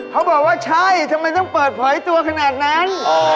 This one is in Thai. เขาบอกว่าใช่ทำไมต้องเปิดเผยตัวขนาดนั้น